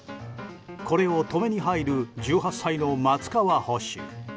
これを止めに入る１８歳の松川捕手。